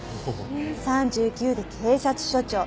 ３９で警察署長。